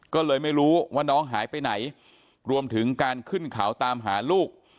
ก็เลยไม่รู้ว่าน้องหายไปไหนรวมถึงการขึ้นเขาตามหาลูก